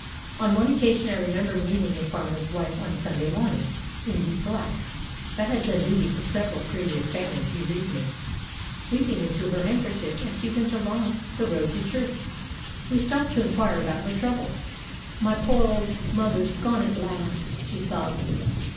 On one occasion I remember meeting a farmer's wife on Sunday morning in deep black (that had done duty for several previous family bereavements), weeping into her handkerchief as she went along the road to church. We stopped to inquire about her trouble. "My poor old mother's gone at last," she sobbed.